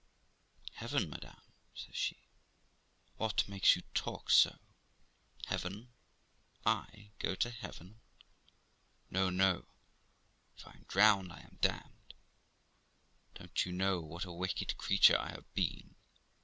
'Heaven, madam!' says she. 'What makes you talk so? Heaven! I go to heaven ! No, no ; if I am drowned I am damned ! Don't you know what a wicked creature I have been?